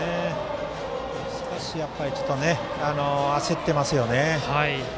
少し焦ってますよね。